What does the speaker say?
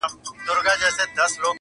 بهېږي مي رګ رګ کي ستا شراب شراب خیالونه.